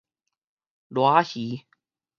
瀨仔魚